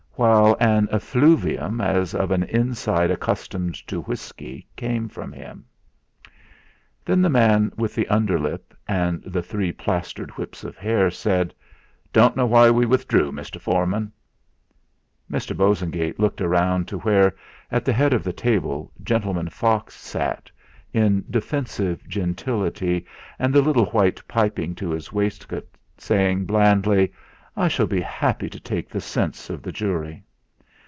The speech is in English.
while an effluvium, as of an inside accustomed to whisky came from him. Then the man with the underlip and the three plastered wisps of hair said: "Don't know why we withdrew, Mr. Foreman!" Mr. Bosengate looked round to where, at the head of the table, Gentleman Fox sat, in defensive gentility and the little white piping to his waistcoat saying blandly: "I shall be happy to take the sense of the jury."